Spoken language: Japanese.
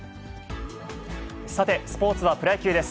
さて、スポーツはプロ野球です。